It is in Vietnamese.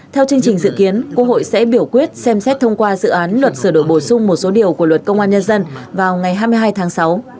theo chương trình dự kiến quốc hội sẽ biểu quyết xem xét thông qua dự án luật sửa đổi bổ sung một số điều của luật công an nhân dân vào ngày hai mươi hai tháng sáu